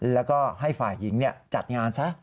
แล้วก็ให้ฝ่ายหญิงจัดงานซะ